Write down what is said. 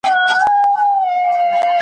له منګولو او له زامي د زمریو `